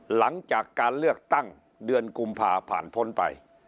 หลังจากการเลือกตั้งเดือนกุมภาผ่านพ้นไป